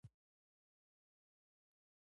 لنډه دا چې، له اوږده مزل وروسته د عمه کور ته ورسېدو.